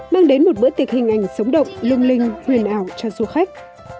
mang đến một bữa tiệc hình ảnh sống động lung linh huyền ảo cho du khách